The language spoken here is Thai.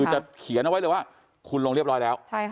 คือจะเขียนเอาไว้เลยว่าคุณลงเรียบร้อยแล้ว